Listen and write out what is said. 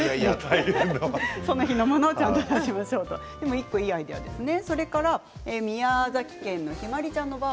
１個、いいアイデアですね。